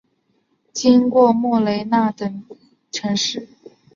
经过莫雷纳等城市。